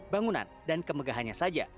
bangunan dan kemegahannya saja